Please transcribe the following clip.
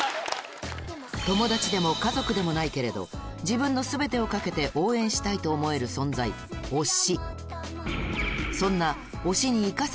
友達でも家族でもないけれど自分の全てを懸けて応援したいと思える存在推し